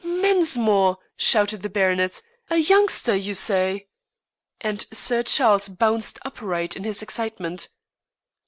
"Mensmore!" shouted the baronet. "A youngster, you say?" and Sir Charles bounced upright in his excitement.